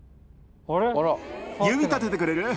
指立ててくれる？